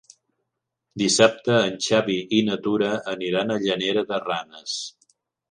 Dissabte en Xavi i na Tura aniran a Llanera de Ranes.